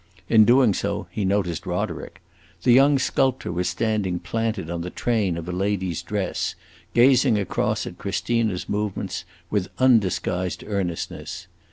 In doing so he noticed Roderick. The young sculptor was standing planted on the train of a lady's dress, gazing across at Christina's movements with undisguised earnestness.